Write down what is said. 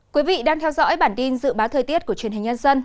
quý vị đang theo dõi bản tin dự báo thời tiết của truyền hình nhân dân